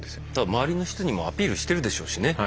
周りの人にもアピールしてるでしょうしね。